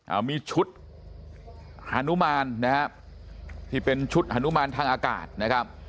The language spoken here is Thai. อ่ามีชุดฮานุมานนะครับที่เป็นชุดฮานุมานทางอากาศนะครับ